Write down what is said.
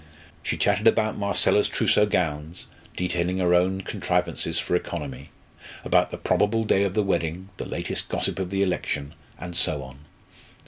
She chatted about Marcella's trousseau gowns, detailing her own contrivances for economy; about the probable day of the wedding, the latest gossip of the election, and so on.